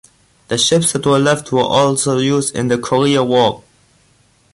The ships that were left were also used in the Corea war.